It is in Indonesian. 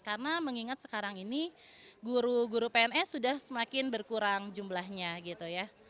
karena mengingat sekarang ini guru guru pns sudah semakin berkurang jumlahnya gitu ya